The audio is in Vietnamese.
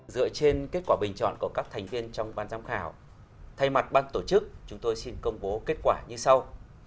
dựa trên kết quả bình chọn của các thành viên trong ban giám khảo thay mặt ban tổ chức chúng tôi xin công bố kết quả như sau